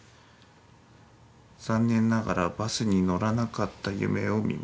残念ながらバスに乗らなかった夢を見ました。